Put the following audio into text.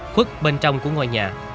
khuất bên trong của ngôi nhà